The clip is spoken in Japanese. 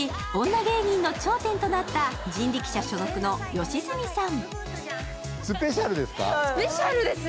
芸人の頂点となった人力舎所属の吉住さん。